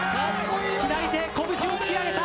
左手、こぶしを突き上げた。